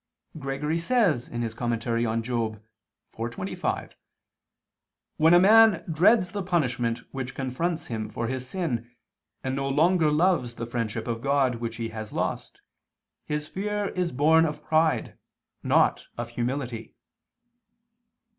Gregory says (Moral. iv, 25): "When a man dreads the punishment which confronts him for his sin and no longer loves the friendship of God which he has lost, his fear is born of pride, not of humility."